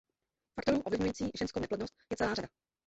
Faktorů ovlivňující ženskou neplodnost je celá řada.